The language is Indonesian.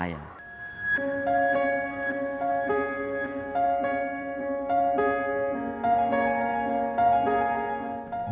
pembangunan kedokteran aik perapa